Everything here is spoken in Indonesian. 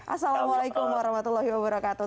assalamu'alaikum warahmatullahi wabarakatuh